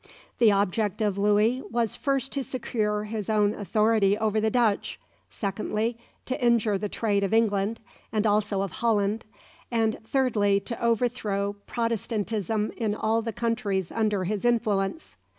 The object of Louis was first to secure his own authority over the Dutch; secondly, to injure the trade of England, and also of Holland; and, thirdly, to overthrow Protestantism in all the countries under his influence.